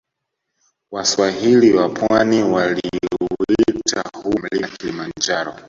Waswahili wa pwani waliuita huo mlima kilimanjaro